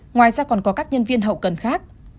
ngoài ra còn có các nhân viên hậu cần khác